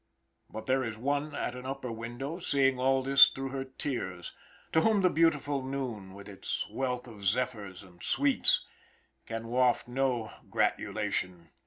But there is one at an upper window, seeing all this through her tears, to whom the beautiful noon, with its wealth of zephyrs and sweets, can waft no gratulation.